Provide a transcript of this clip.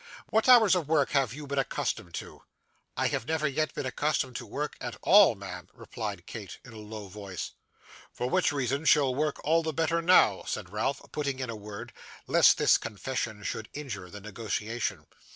What hours of work have you been accustomed to?' 'I have never yet been accustomed to work at all, ma'am,' replied Kate, in a low voice. 'For which reason she'll work all the better now,' said Ralph, putting in a word, lest this confession should injure the negotiation.